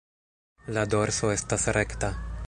La dorso estas rekta.